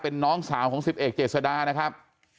เป็นน้องสาวของสิบเอกเจษดานะครับ